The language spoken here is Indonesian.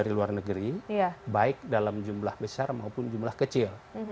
dari luar negeri baik dalam jumlah besar maupun jumlah kecil